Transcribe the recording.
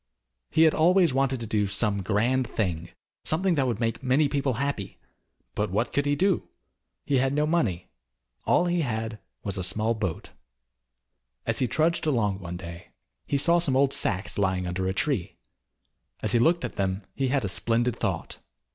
He had always wanted to do some grand thing, something that would make many people happy, but what could he do? He had no money. All he had was a small boat. As he trudged along one day, he saw some old sacks lying under a tree. As he looked at them he had a splendid thought.